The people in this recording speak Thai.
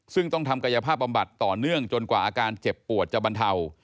ซึ่งต้องทำกายภาพบำบัดต่อเนื่องจนกว่าอาการเจ็บปวดจะบรรเทา